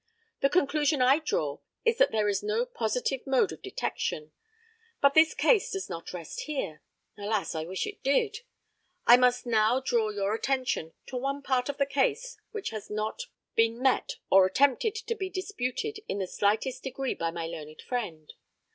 The conclusion I draw is that there is no positive mode of detection. But this case does not rest here. Alas, I wish it did! I must now draw your attention to one part of the case which has not been met or attempted to be disputed in the slightest degree by my learned friend.